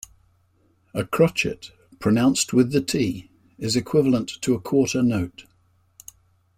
A crotchet, pronounced with the t, is equivalent to a quarter note